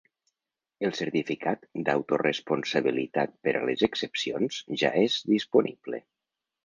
El certificat d’autoresponsabilitat per a les excepcions ja és disponible.